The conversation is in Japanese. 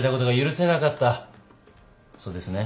そうですね？